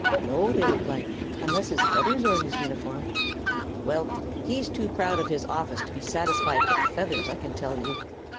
"No," they replied, "unless his feathers are his uniform." "Well, he's too proud of his office to be satisfied with feathers, I can tell you.